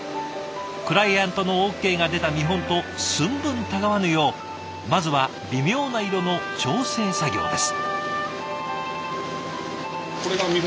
クライアントのＯＫが出た見本と寸分たがわぬようまずは微妙な色の調整作業です。